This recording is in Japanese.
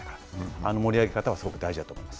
あの盛り上げ方はすごく大事だと思います。